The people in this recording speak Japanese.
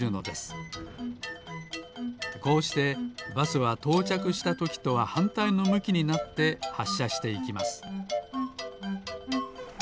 こうしてバスはとうちゃくしたときとははんたいのむきになってはっしゃしていきます。